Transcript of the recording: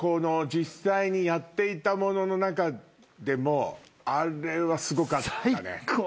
実際にやっていたものの中でもあれはすごかったね。